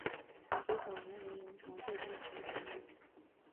其早年为元朝浙江行省掾。